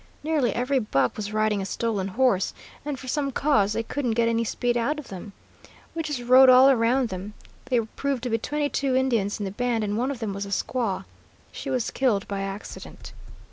Nearly every buck was riding a stolen horse, and for some cause they couldn't get any speed out of them. We just rode all around them. There proved to be twenty two Indians in the band, and one of them was a squaw. She was killed by accident.